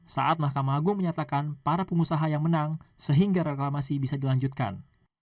saat mahkamah agung menyatakan para pengusaha yang menang sehingga reklamasi bisa dilanjutkan